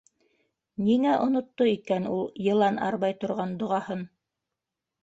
Ниңә онотто икән ул йылан арбай торған доғаһын?